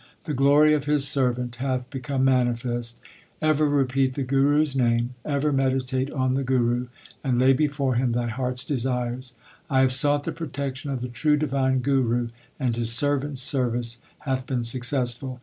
The glory of His servant hath become manifest. Ever repeat the Guru s name ; ever meditate on the Guru, And lay before him thy heart s desires. I have sought the protection of the true divine Guru, And His servant s service hath been successful.